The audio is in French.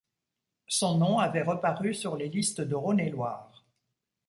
Son nom avait reparu sur les listes de Rhône-et-Loire.